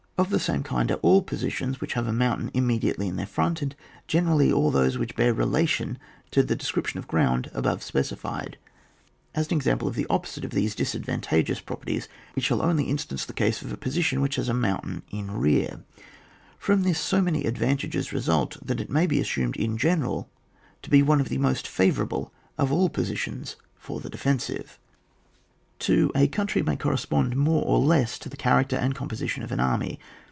Of the same kind are all positions which have a mountain im mediately in their front, and generally all those which bear relation to the des cription of ground above specified. As an example of the opposite of these disadvantageous properties, we shall only instance the case of a position which has a mountain in rear ; from this so many advantages result that it may be assumed in general to be one of the most favour able of all positions for the defensive. CHAP, xn.] DEFENSIVE POSITION. Ill 2. A country may correspond more or less to the character and composition of an army.